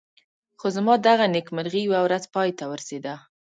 خو زما دغه نېکمرغي یوه ورځ پای ته ورسېده.